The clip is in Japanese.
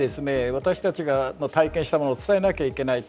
私たちが体験したものを伝えなきゃいけないと。